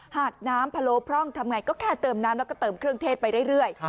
หากน้ำพะโลพร่องทำไงก็แค่เติมน้ำแล้วก็เติมเครื่องเทศไปเรื่อย